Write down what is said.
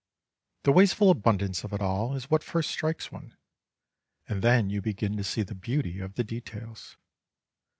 The wasteful abundance of it all is what first strikes one, and then you begin to see the beauty of the details.